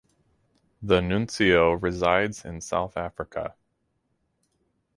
The nuncio resides in South Africa.